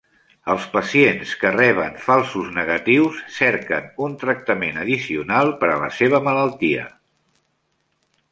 Els pacients que reben falsos negatius cerquen un tractament addicional per a la seva malaltia.